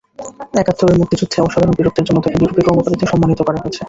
একাত্তুরের মুক্তিযুদ্ধে অসাধারণ বীরত্বের জন্যে তাকে বীর বিক্রম উপাধিতে সম্মানিত করা হয়েছে।